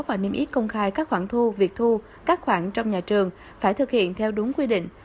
và niêm yết công khai các khoản thu việc thu các khoản trong nhà trường phải thực hiện theo đúng quy định